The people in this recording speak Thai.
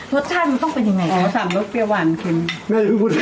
รสชาติมันต้องเป็นยังไงอ๋อสามรสเปรี้ยวหวานเค็ม